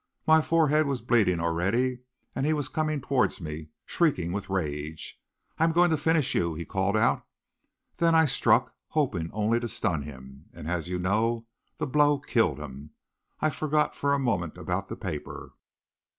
My forehead was bleeding already, and he was coming towards me, shrieking with rage. 'I am going to finish you!' he called out. Then I struck, hoping only to stun him, and, as you know, the blow killed him. I forgot for a moment about the paper.